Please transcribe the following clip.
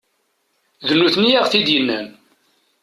D nutni i aɣ-t-id-innan.